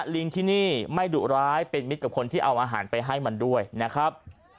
ลิงที่นี่ไม่ดุร้ายเป็นมิตรกับคนที่เอาอาหารไปให้มันด้วยนะครับ